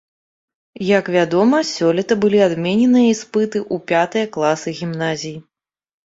Як вядома, сёлета былі адмененыя іспыты ў пятыя класы гімназій.